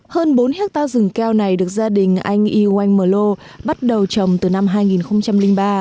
hơn bốn hectare rừng keo này được gia đình anh eways mờ lô bắt đầu trồng từ năm hai nghìn ba